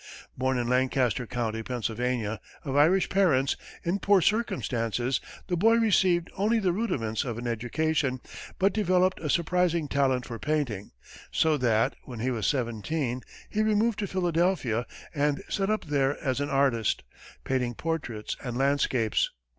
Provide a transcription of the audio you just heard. Born in Lancaster County, Pennsylvania, of Irish parents, in poor circumstances, the boy received only the rudiments of an education, but developed a surprising talent for painting, so that, when he was seventeen, he removed to Philadelphia and set up there as an artist, painting portraits and landscapes.